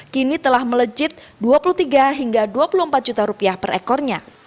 kini telah melejit rp dua puluh tiga hingga rp dua puluh empat per ekornya